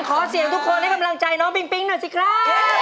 ขอเสียงทุกคนให้กำลังใจน้องปิ๊งหน่อยสิครับ